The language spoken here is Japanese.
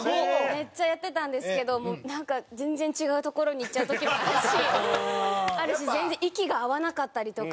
めっちゃやってたんですけどもうなんか全然違う所にいっちゃう時もあるし全然息が合わなかったりとか。